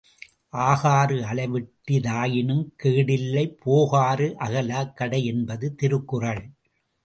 ஆகாறு அளவிட்டி தாயினும் கேடில்லை போகாறு அகலாக் கடை என்பது திருக்குறள்.